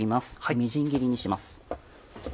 みじん切りにします。